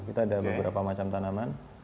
kita ada beberapa macam tanaman